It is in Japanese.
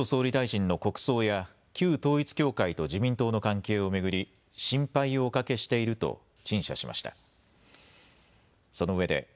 この中で岸田総理大臣は安倍元総理大臣の国葬や旧統一教会と自民党の関係を巡り心配をおかけしていると陳謝しました。